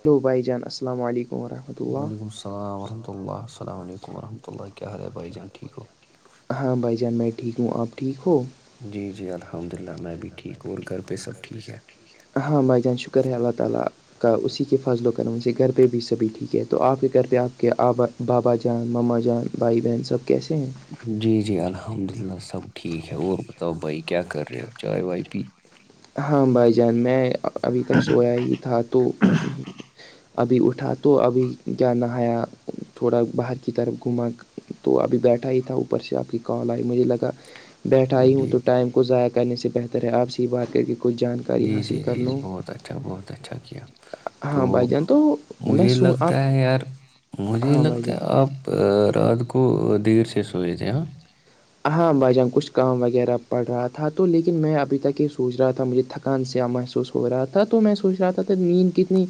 hello بھائی جان السلام علیکم ورحمۃ اللہ وعلیکم السلام ورحمہ اللہسل علیکم ورحمتہ اللہ کیا حال ہے بھائی جان ھیک ہو ہاں بھائی جان میں ٹھیک ہوں آپ ٹھیک ہو جی جی الحمد للہ میں بھی ٹھیک ہوں اور گھر پہ سب ٹھیک ہے ہاں بھائی جان شکر ہے اللہ تعالی کا اسی کے فاضلوں کرم سے گھر پہ بھی سبھی ٹھیک ہے تو آپ کے گھر پہ آپ کے آبا بابا جان مما جان بھائی بہن سب کیسے ہیں جی جی الحمد للہ سب ٹھیک ہے اور بتاؤ بھائی کیا کر رہے ہو چائے وائے پی ہاں بھائی جان میں ابھی تک سویا ہی تھا تو ابھی اٹھا تو ابھی کیا نہایا تھوڑا باہر کی طرف گھوما تو ابھی بیٹھا ہی تھا اوپر سے آپ کی کال آئی مجھے لگا بیٹھا ہے ہوں جی تو ٹائم کو ضائع کرنے سے بہتر ہے آپ سے بات کر کے کچھ جانکاری جی جی حاصل کر جی جی لوں بہت اچھا بہت اچھا کیا تو ہاں بھائی جان تو میں مجھے سوں آپ لگتا ہے یار مجھے ہاں بھائی لگتا ہے جان اب رات کو دیر سے سوے تھے ہم ں ہہاں بھای جان کچھ کام وغیرہ پڑ رہا تھا تو لیکن میں ابھی تک یہ سوچ رہا تھا مجھے تھک کن سیا محسوس ہو رہا تھا تو میں سوچ رہا تھا نیند کتنی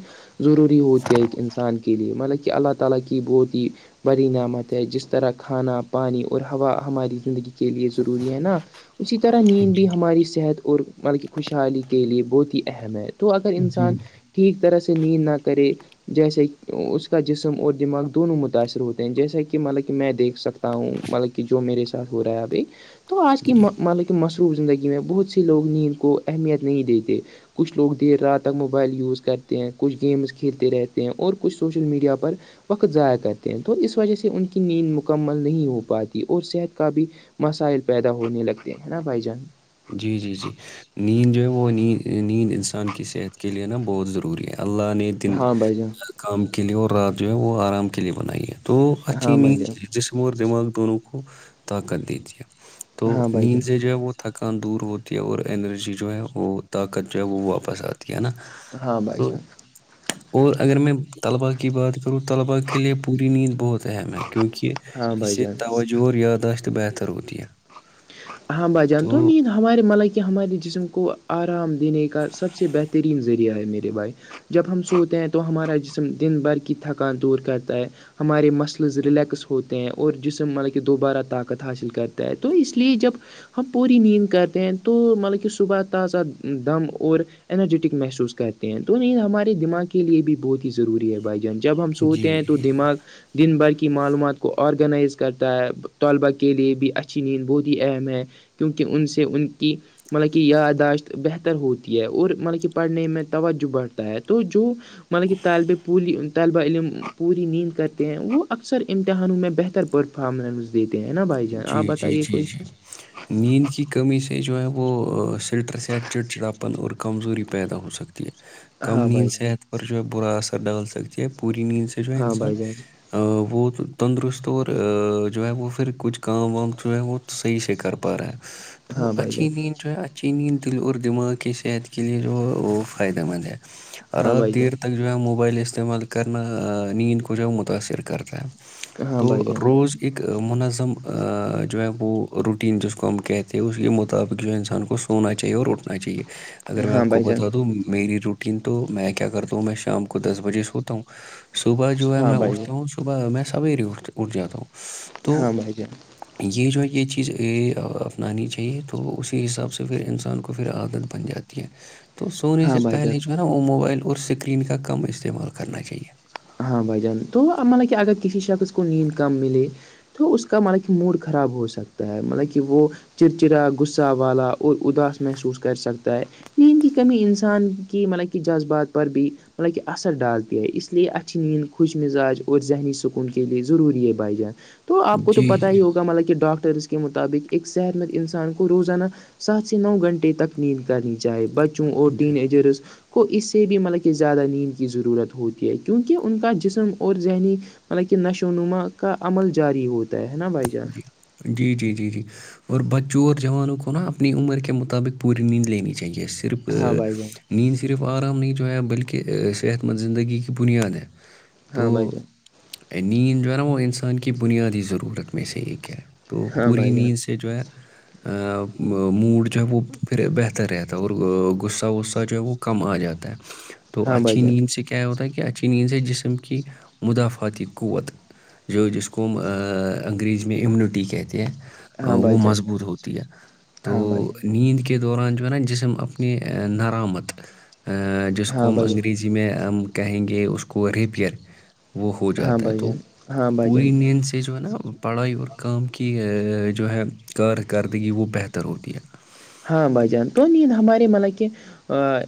ضروری ہوتی ہے ایک انسان کے لیے مطلب کہ اللہ تعالی کی بہت ہی بڑی نعمت ہے جس طرح کھانا پانی اور ہوا ہماری زندگی کے لیے ضروری ہے نا اسی طرح نیند بھی ہماری صحت اور مطلب کہ خوشحالی کے لیے بہت ہی اہم ہے تو اگر جی انسان ٹھیک طرح سے نیند نہ کرے جیسے اس کا جسم اور دماغ دونوں متاثر ہوتے ہیں جیسا کہ مطلب کہ میں دیکھ سکتا ہوں مطلب کہ جو میرے ساتھ ہو رہا ہے ابھی تو آج کی مطلب مس زندگی میں بہت سے لوگ نیند کو اہمیت نہیں دیتے کچھ لوگ دیر رات تک موبائل یوز کرتے ہیں کچھ گیمز کھیلتے رہتے ہیں اور کچھ سوشل میڈیا پر وقت ضائع کرتے ہیں تو اس وجہ سے ان کی نیند مکمل نہیں ہو پاتی اور صحت کی کا بھی مسائل پیدا ہونے لگتے ہیں نا بھائی جان جی جی جی نیند جو ہے وہ نیند نیند انسان کی صحت کے لیے نا بہت ضروری ہے اللہ نے دن ہاں بھائی جان کام کے لیے اور رات جو ہے وہ آرام کے لیے بنائی ہے تو اچھی ہاں بھائی نیند جان جسم اور دماغ دونوں کو طاقت دیتی ہے تو ہاں بھائی جان نیند سے جو ہے وہ تھکن دور ہوتی ہے اور انرجی جو ہے وہ طاقت جو ہے وہ واپس آتی ہے نا ہاں بھائی تو جان اور اگر میں طلباء کی بات کر طلباء کے لیے پوری نیند بہت اہم ہے کیونکہ ہاں بھائی اسے جان توجہ توجو اور یاداشت بہتر ہوتی ہے ہاں بھائی جان تو نیند ہمارے ملطلب کہ ہمارے جسم کو آرام دینے کا سب سے بہترین ذریعہ ہے میرے بھائی جب ہم سوتے ہیں تو ہمارا جسم دن بھر کی تھکان دور کرتا ہے ہمارے مسلز ریلیکس ہوتے ہیں اور جسم مطلب کہ دوبارہ طاقت حاصل کرتا ہے تو اس لیے اس لیے جب ہم پوری نیند کرتے ہیں تو مطلب کہ صبح تازہ دم اور انرجیٹک محسوس کرتے ہیں تو نہیں ہمارے دماغ کے لیے بھی بہت ہی ضروری ہے بھائی جب ہم جی سوتے ہیں تو دماغ دن بھر کی معلومات کو آرگنائز کرتا ہے طلبا کے لیے بھی اچھی نیند بوود بہت ہی اہم ہے کیونکہ ان سے ان کی مطلب کہ یادداشت بہتر ہوتی ہے اور مطلب کہ پڑھنے میں توجہ بڑھتا ہے تو جو مطلب تالب پولی طالب علم پوری نیند کرتے ہیں وہ اکثر امتحانوں میں بہتر پرفارمنس دیتے ہیں نا بھائی جان آپ جی جی بتائیے جی کوئی جی نیند کی کمی سے جو ہے وہ سٹرس یا چڑچڑاپن اور کمزوری پیدا ہو سکتی ہے کم ہاں نیند بھائی جان صحت پر جو ہے برا اثر ڈال سکتی ہے پوری نیند سے جو ہے ہاں انسان بھائی جان وہ تندرست اور جو ہے وہ پھر کچھ کام وام جو ہے وہ صحیح سے کر پا رہا ہے تو ہاں بھائی اچھی جان مین جو ہے اچھی نیند دل اور دماغ کی صحت کے لیے جو ہے وہ فائدہ مند ہے ہاں رات بھائی جان دیر تک جو ہے موبائل استعمال کرنا نیند کو جو ہے متاثر کرتا ہے ہاں تو بھائی جان روز ایک منظم جو ہے وہ روٹین جس کو ہم کہتے ہیں اس کے مطابق جو ہے انسان کو سونا چاہیے اور اٹھنا چاہیے اگر میں ہاں آپ کو بھائی جان بتا تووں میرے جو تو میں کیا کرتا ہوں میں شام کو دس بجے سوتا ہوں صبح جو ہے ہاں میں بھائی جان اٹھتا ہوں صبح میں سویرے اٹھ اٹھ جاتا ہوں تو ہاں بھائی جان یہ جو ہے یہ چیز اپنانی چاہیے تو اسی حساب سے پھر انسان کو پھر عادت بن جاتی ہے تو سونے ہاں سے بھائی جان پہلے جو ہے نا وہ موبائل اور اسکرین کا کم استعمال کرنا چاہیے ہاں بھائی جان تو عمل کہ اگر کسی شخص کو نیند کم ملے تو اس کا مطلب کہ موڈ خراب ہو سکتا ہے مطلب کہ وہ چڑچڑاغصہ والا اور اداس محسوس کر سکتا ہے نیند کی کمی انسان کی مطلب کہ جذبات پر بھی مطلب کہ اثر ڈالتی ہے اس لیے خوش مزاج اور ذہنی سکون کے لیے ضروری بھائی جان تو آپ کو تو جی پتا جی ہی ہوگا مطلب کہ ڈاکٹرس کےمطابق ایک صحت مند انسان کو روزانہ سات سے نو گھنٹے تک نیند کرنی چاہیے بچے جی ٹین ایجرس کو اس سے بھی مطلب کہ زیادہ نیند کی ضرورت ہوتی ہے کیونکہ ان کا جسم اور ذہنی مطلب کہ نشو و نما کا عمل جاری ہوتا ہے نا بھائی جان جی جی جی جی جی اور بچور جوانوں کو نا اپنی عمر کے مطابق پوری نیند لینی تاہ ا یہ صرف ہاں بھائی جان نیند صرف آرام نہیں جو ہے بلکہ صحت مند زندگی کی بنیاد ہے تو ہاں بھائی جان نیند جو ہے نا وہ انسان کی بنیادی ضرورت میں سے ایک ہے تو ہاں پوری بھائی جان نیند کہ جو ہے موڈ جو ہے وہ پھر بہتر رہتا ہے اور غصہ غصہ جو ہے وہ کم آ جاتا ہے تو ہاں بھائی اچھی جان نیند سے کیا ہوتا ہے اچھی نیند سے جسم کی مدافاتی قوت جو جس کوم انگریز میں امیونٹی کہتے ہیں ہاں بھائی وہ جان مضبوط ہوتی ہے تو ہاں بھائی جان نیند کے دوران جو ہے نا جسم اپنی نرامت جس کو ہاں ہم بھائی جان انگریزی یہ م میں ہم کہیں گے اس کو عریبیہ وہ ہو ہاں جاتا ہے بھائی تو جان ہاں بھائی پوری جان نیند سے جو ہے نا پڑھائی اور کام کی جو ہے کارکردگی وہ بہتر ہوتی ہے ہاں بھائی جان تو نیند ہمارے مطلب کہ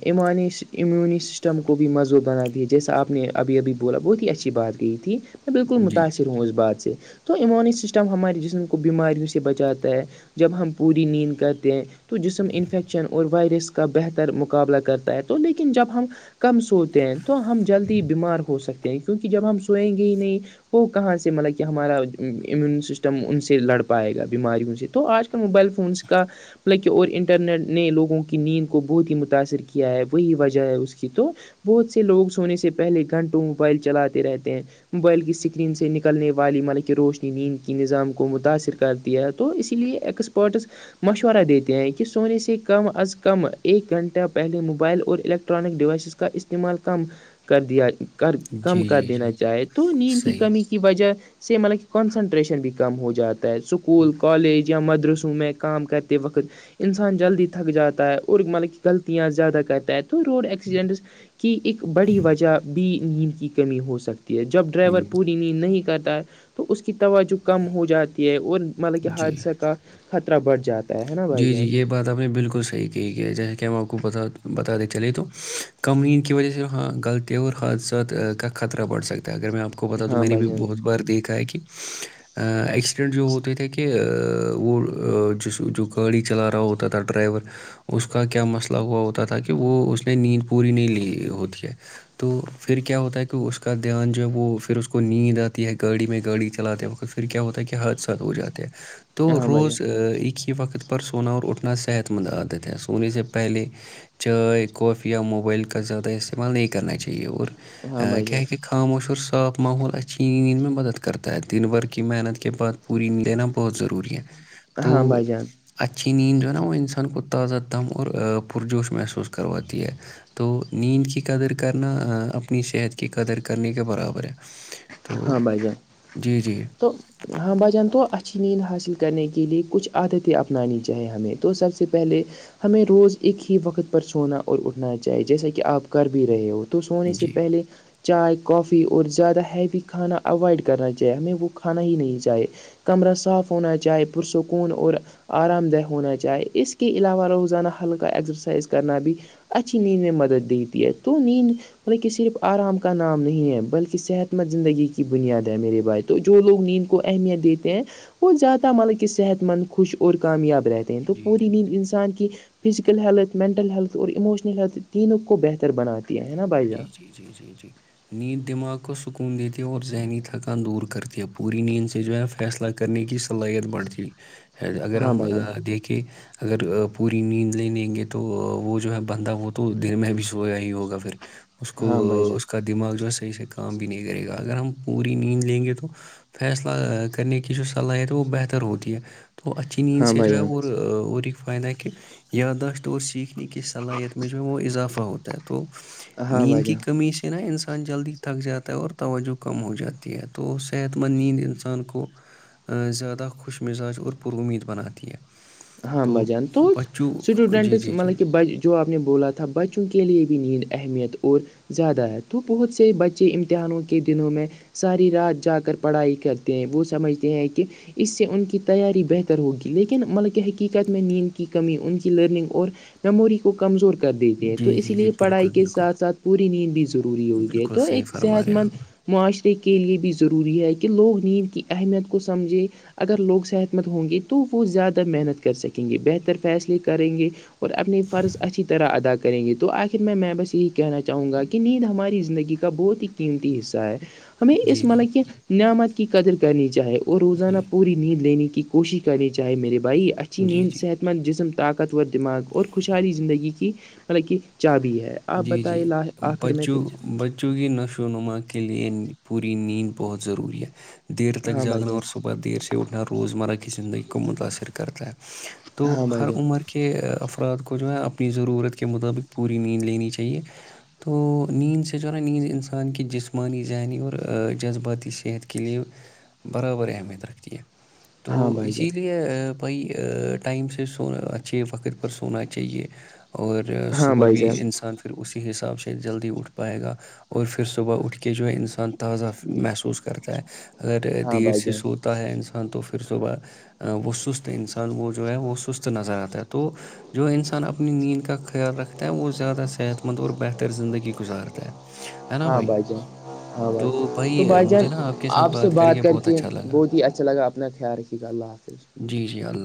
ایمانی امیونی سسٹم کو بھی مضبط بنات د ہے جیسا آپ نے ابھی ابھی بولا بہت ہی اچھی بات ہے تھی میں بالکل جی متاثر ہوں اس بات سے تو امونی سسٹم ہمارے جسم کو بیماریوں سے بچاتا ہے جب ہم پوری نیند کرتے ہیں تو جسم انفیکشن اور وائرس کا بہتر مقابلہ کرتا ہے تو لیکن جب ہم کم سوتے ہیں تو ہم جلدی بیمار ہو سکتے ہیں کیونکہ جب ہم سوئیں گے ہی نہیں وہ کہاں سے مطلب کہ ہمارا امیون سسٹم ان سے لڑ پائے گا بیماریوں سے تو آج موبائل فونس کا بکہ اور انٹرنیٹ نے لوگوں کی نیند کو بہت ہی متاأثر کیا ہے وہی وجہ ہے اس کی تو بہت سے لوگ سونے سے پہلے گھنٹوں موبائل چلاتے رہتے ہیں موبائل کی اسکرین سے نکلنے والی ملک روشنی نیند کی نظام کو متاثر کر کرتی ہیے تو اسی لیے ایکسپرٹس مشور ا دیتے ہیں کہ سونے سے کم از کم ایک گھنٹہ پہلے موبائل اور الیکٹرانک ڈیوائسز کا اسع استعمال ک کم جی کر جی جی دینا چاہے تو نیند کی صحیح کمی وجہ سے مطلب کہ کانسنٹریشن بھی کم ہو جاتا ہے اسکول کالج یا مدرسوں میں کام کرتے وقت انسان جلدی تھک جاتا ہے اور مطلب کہ غلطیاں زیادہ کرتا ہے تو روڈ ایکسیڈنٹس کی ایک بڑی وجہ بھی نیند کی کمی ہو سکتی ہے جب ڈرائیور ہم، پوری نیند نہیں کرتا ہے تو تو اس کی توجہ کم ہو جاتی ہے اور مطلب کہ جی حادثہ کا خطرہ بڑھ جاتا ہے نا بھائی جی جی جان یہ بات آپ نے بالکل صحیح کہ جیسا کہ ہم آپ کو بتا بتا دیں چلے تو کم نیند کی وجہ سے ہاں غلط ت اور حادثات کا خطرہ بڑھ سکتا ہے اگر میں آپ کو بتاؤں تو ہاں میں نے بھائی بھی جان بہت بار دیکھا ہے کہ ایکسیڈنٹ جو ہوتے تھے کہ وہ گاڑی چلا رہا ہوتا تھا ڈرائیور اس کا کیا مسئلہ ہوا ہوتا تھا کہ وہ اس نے نیند پوری نہیں لی ہوتی ہے تو پھر کیا ہوتا ہے کہ اس کا دھیان جو ہے وہ پھر اس کو نیند آتی ہے گاڑی میں گاڑی چلاتے وقت پھر پھر کیا ہوتا ہے کہ حادثات ہو جاتے ہیں تو ہاں بھائی روز جان ایک ہی وقت پر سونا اور اٹھنا صحت مند عادت ہے سونے سے پہلے چائے کافی یا موبائل کا زیادہ استعمال نہیں کرنا چاہیے اور ہاں بھائی کیا جان کہ خاموش اور صاف ماحول اس اچھی نیند میں مدد کرتا ہے دن بر کی محنت کے بعد پوری نیند بہت ضروری ہے تو ہاں بھائی جان اچھی نیند جو ہے نا وہ انسان کو تازہ دم اور پرجوش محسوس کرواتی ہے تو نیند کی قدر کرنا اپنی صحت کی قدر کرنے کے برابر ہے تو جی جی تو ہاں بھائی جان تو اچھی نیند حاصل کرنے کے لیے کچھ عادتیں اپنانی چاہیں ہمیں تو سب سے پہلے ہمیں روز ایک ہی وقت پر سونا اور اٹھنا چاہیے جیسا کہ آپ کر بھی رہے ہو سونے جی سے پہلے چائے کافی اور زیادہ ہیی کہ کھانا اوائڈ کرنا چاہیے ہمیں وہ کھانا ہی نہیں چاہیے کمرہ صاف ہونا چاہے پرسکون اور آرام دہ ہونا چاہے اس کے علاوہ روزانہ ہلکا ایگزرسائز کرنا بھی اچھی نیند میں مدد دیتی ہے تو نیند مطلب کہ صرف آرام کا نام نہیں ہے بلکہ صحت ت زندگی کی بنیاد ہے میرے بھائی تو جو لوگ نیند کو اہمیت دیتے ہیں وہ زیادہ مطلب کہ صحت مند خوش اور کامیاب رہتے ہیں تو جی پوری جی نیند انسان کی فزیکل ہیلتھ مینٹل ہیلتھ اور ایموشنل ہیلتھ تینوں کو بہتر بناتی ہے نا بھائی جی جان جی جی جی جی نیند دماغ کو سکون دیتی ہے اور ذہنی تھکان دور کرتی ہے پوری نیند سے جو ہے فیصلہ کرنے کی صلاحیت بڑھتی ہے اگر ہاں ہم بھائی جان دیکھیں اگر پوری نیند نہیں لے گے تو وہ جو ہے بندہ وہ تو دن میں بھی سویا ہی ہوگا پھر اس کو ہاں بھائی جان اس کا دماغ جو ہے صحیح سے کام بھی نہیں کرے گا اگر ہم پوری نیند لیں گے تو فیصلہ کرنے کی جو صلاحیت ہے وہ بہتر ہوتی ہے تو اچھی نیند ہاں سے بھائی جو ہے جان اور ایک فائدہ کہ یاداشت اور سیکھ کی صلاحیت میں جو ہے وہ اضافہ ہوتا ہے تو ہاں نیند بھائی کی جان کمی سے کہ نا انسان جلدی تھک جاتا ہے اور توجہ کم ہو جاتی ہے تو صحت مند نیند انسان کو زیادہ خوش مزاج اور پر امید بناتی ہے ہاں تو بھائی جان تو بچوں جی سٹوڈنٹس جی جی مطلب کہ بج جو آپ نے بولا تھا بچوں کے لیے بھی نیند اہمیت اور زیادہ ہے تو بہت سے بچے امتحانوں کے دنوں میں ساری رات جا کر پڑھائی کرتے ہیں وہ سمجھتے ہیں کہ اس سے ان کی تیاری بہتر ہوگی لیکن مطلب کہ کہ حقیقت میں نیند کی کمی ان کی لرننگ اور میموری کو کمزور کر دیتے ہیں تو جی اسی جی جی لیے پڑھائی بالکل کے بالکل ساتھ ساتھ پوری نیند بھی ضروری ہوتی ہے تو ایک صحت فرمارے ہے مند معاشرے کے لیے بھی ضروری ہے کہ لوگ نیند کی اہمیت کو سمجھے اگر لوگ صحت مند ہوں گے تو وہ زیادہ محنت کر سکیں گے بہتر فیصلے کریں گے اور اپنے فرض اچھی طرح ادا کر کریں گے تو آخر میں میں بس یہی کہنا چاہوں گا کہ نیند ہماری زندگی کا بہت ہی قیمتی حصہ ہے ہمیں جی اس جی مطلب کہ نعمت کی قدر کرنی چاہے اور روزانہ جی پوری نیند لینے کی کوشش کرنی چاہے میرے بھائی اچھی جی نیند جی صحت مند جسم طاقتور دماغ اور خوشحالی زندگی کی مطلب کہ چابی ہے آپ بتے ل آخر میں کچھ چوکہ نشو و نما کے لیئے پوری نیند بہت ضروری ہے دیر تک ہاں بھائی جاگنا جان اور صبح ب دیر سے اٹھنا روزمرہ کی زندگی کو متاثر کرتا ہے تو ہاں بھائی ہر جان عمر کے کہ افراد کو جو ہے اپنی ضرورت کے مطابق پوری نیند لینی چاہیے تو نیند سے جو نا نیند انسان کی جسمانی ذہنی اور جذباتی صحت کے لیے برابر اہمیت رکھتی ہے تو ہاں بھائی جان اسی لیے کہ بھائی ٹائم سے سونا اچھے وقت پر سونا چاہیے اور ہاں صبح بھائی بھی جان انسان پھر اسی حساب سے جلدی اٹھ پائے گا اور پھر صبح اٹھ کے جو ہے انسان تازہ محسوس کرتا ہے اگر ہاں دیر بھائی سے جان سو ہوتا ہے انسان تو پھر صبح وہ سست انسان وہ جو ہے وہ سست نظر آتا ہے تو جو انسان اپنی نیند کا خیال رکھتا ہے وہ زیادہ سے صحت مند اور بہتر زندگی گزارتا ہے ہے نا ہاں بھائی جان ہاں بھائی جان تو آ، بھائی جان مجھے نا کے ساتھ آپ سے بات کر بہت کے اچھا لگا بہت ہی اچھا لگا اپنا خیال رکھ ٹھیک اللہ حافظ جی جی اللہ